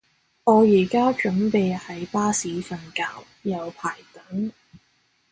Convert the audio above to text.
我而家準備喺巴士瞓覺，有排等